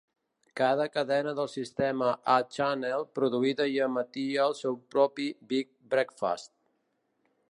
Cada cadena del sistema A-Channel produïda i emetia el seu propi "Big Breakfast".